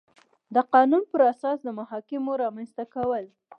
د قانون پر اساس د محاکمو رامنځ ته کول